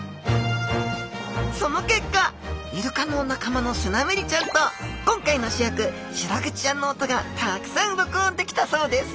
その結果イルカの仲間のスナメリちゃんと今回の主役シログチちゃんの音がたくさん録音できたそうです。